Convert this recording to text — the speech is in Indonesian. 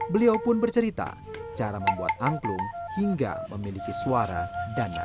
beliau pun bercerita cara membuat angklung hingga memilih angklung yang terbaik